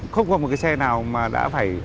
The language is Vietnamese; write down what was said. không có một cái xe nào mà đã phải